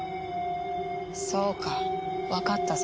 そうかわかったぞ。